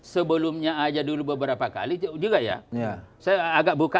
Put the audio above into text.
sebelumnya aja dulu beberapa kali juga gitu ya saya agak buka aja ketika itu waktu cuma maksudnya